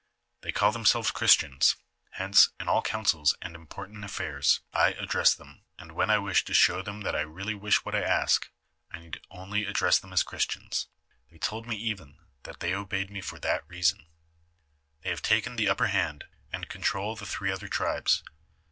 They call thenipelves Christians; hence, in all councils and important affairs, I address them, and I ' LIFE OF FATHER ICARQTTETTE. liii when I wish to show them that I really wish what I ask, I need only address them as Christians ; they told me even that they obeyed me for that reason. They have taken the upper hand, and control the three other tribes.